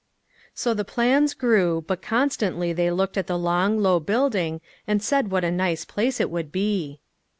So the plans grew, but constantly they looked at the long, low building and said what a nice place it would be.